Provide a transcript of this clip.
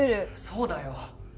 そうだよ。